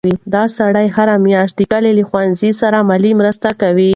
دا سړی هره میاشت د کلي له ښوونځي سره مالي مرسته کوي.